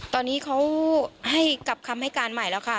ตอนนี้เขาให้กับคำให้การใหม่แล้วค่ะ